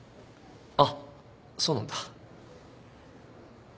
あっそうなんだ。